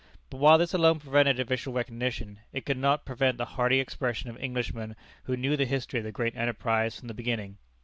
But while this alone prevented official recognition, it could not prevent the hearty expression of Englishmen who knew the history of the great enterprise from the beginning.